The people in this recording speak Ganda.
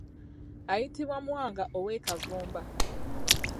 Ayitibwa Mwanga ow'e Kavumba.